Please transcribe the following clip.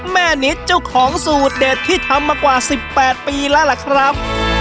แม่นิดเจ้าของสูตรเด็ดที่ทำมากว่า๑๘ปีแล้วล่ะครับ